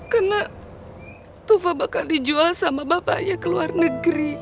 karena tufa bakal dijual sama bapaknya ke luar negeri